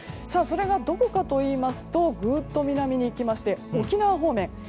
それがどこかといいますとグッと南に行きまして沖縄方面。